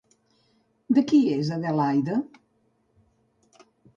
De qui és Adelaide?